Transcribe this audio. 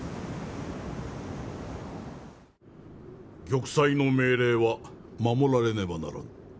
玉砕の命令は守られねばならぬ。